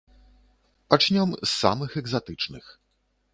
Пачнём з самых экзатычных.